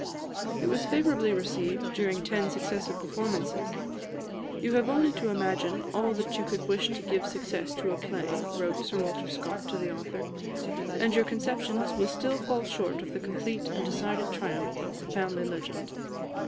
It was favourably received during ten successive performances. "You have only to imagine all that you could wish to give success to a play," wrote Sir Walter Scott to the author, "and your conceptions will still fall short of the complete and decided triumph of the 'Family Legend.'